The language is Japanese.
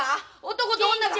男と女が。